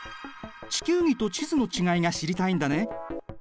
地球儀と地図の違いが知りたいんだね。